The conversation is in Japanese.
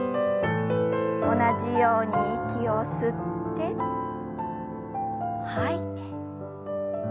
同じように息を吸って吐いて。